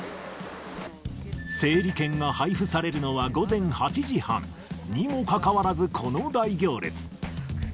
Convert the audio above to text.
整理券が配布されるのは午前８時半にもかかわらず、この大行列。